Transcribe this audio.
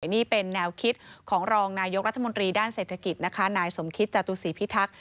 นี่เป็นแนวคิดของรองนายกรัฐมนตรีด้านเศรษฐกิจนะคะนายสมคิตจตุศีพิทักษ์